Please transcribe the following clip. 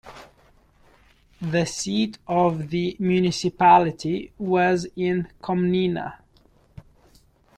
The seat of the municipality was in Komnina.